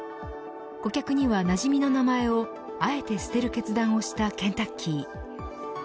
顧客には、なじみの名前をあえて捨てる決断をしたケンタッキー。